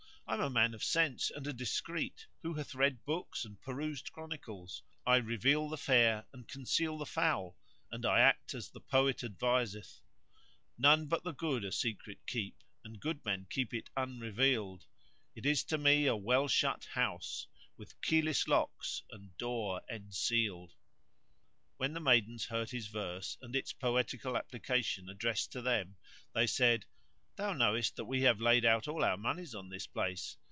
I am a man of sense and a discreet, who hath read books and perused chronicles; I reveal the fair and conceal the foul and I act as the poet adviseth:— None but the good a secret keep * And good men keep it unrevealed: It is to me a well shut house * With keyless locks and door ensealed"[FN#154] When the maidens heard his verse and its poetical application addressed to them they said, "Thou knowest that we have laid out all our monies on this place.